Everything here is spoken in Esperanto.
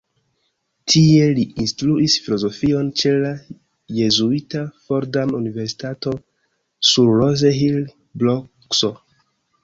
Tie li instruis filozofion ĉe la jezuita Fordham-universitato sur Rose Hill, Bronkso.